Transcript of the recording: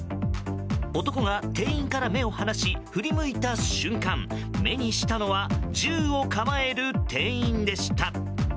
男が店員から目を離し振り向いた瞬間目にしたのは銃を構える店員でした。